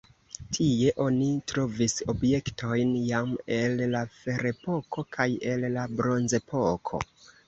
Tie oni trovis objektojn jam el la ferepoko kaj el la bronzepoko.